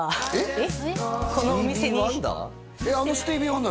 えっ？